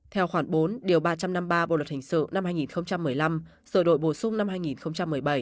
theo khoản bốn điều ba trăm năm mươi ba bộ luật hình sự năm hai nghìn một mươi năm sở đội bổ sung năm hai nghìn một mươi bảy